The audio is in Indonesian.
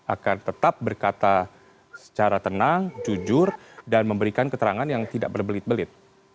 akan tetap berkata secara tenang jujur dan memberikan keterangan yang tidak berbelit belit